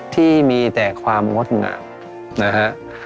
ที่มีแต่ความงดงามนะฮะ